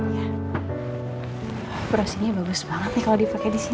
ya brush ini bagus banget nih kalau dipakai di sini